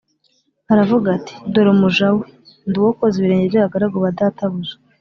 aravuga ati “Dore umuja we, ndi uwo koza ibirenge by’abagaragu ba databuja.”